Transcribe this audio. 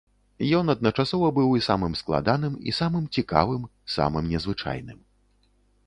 Ён адначасова быў і самым складаным і самым цікавым, самым незвычайным.